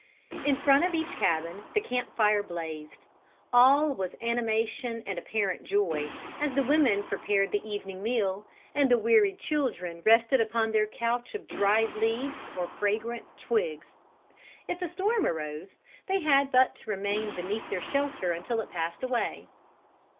In front of each cabin the camp fire blazed. All was animation and apparent joy, as the women prepared the evening meal, and the wearied children rested upon their couch of dried leaves or fragrant twigs. If a storm arose, they had but to remain beneath their shelter until it passed away.